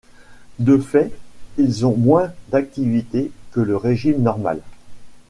De fait, ils ont moins d'activité que le régime normal.